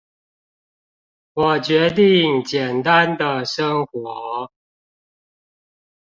我決定簡單的生活